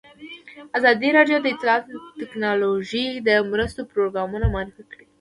ازادي راډیو د اطلاعاتی تکنالوژي لپاره د مرستو پروګرامونه معرفي کړي.